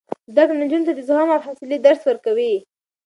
زده کړه نجونو ته د زغم او حوصلې درس ورکوي.